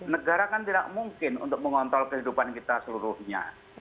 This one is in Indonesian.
negara kan tidak mungkin untuk mengontrol kehidupan kita seluruhnya